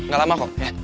gak lama kok ya